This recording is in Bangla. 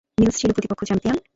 নীলস ছিল প্রতিপক্ষ চ্যাম্পিয়ন।